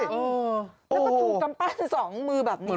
แล้วก็ถูกกำปั้นสองมือแบบนี้